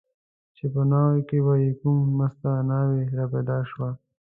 چې په ناوو کې به چې کومه مسته ناوې را پیدا شوه.